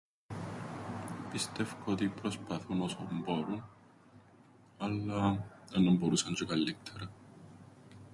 Πιστε΄υκω ότι προσπαθούν όσον μπόρουν, αλλά εννά μπορούσαν τζ̆αι καλλύττερα.